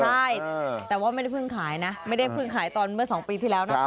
ใช่แต่ว่าไม่ได้เพิ่งขายนะไม่ได้เพิ่งขายตอนเมื่อ๒ปีที่แล้วนะ